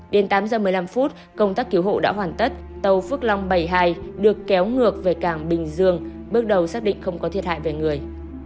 đến tám giờ một mươi năm phút công tác cứu hộ đã hoàn tất tàu phước long bảy mươi hai được kéo ngược về cảng bình dương bước đầu xác định không có thiệt hại về người